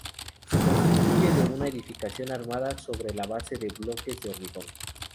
Se constituye de una edificación armada sobre la base de bloques de hormigón.